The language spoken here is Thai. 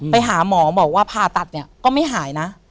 ไปหาหมอบอกว่าผ่าตัดเนี่ยก็ไม่หายนะ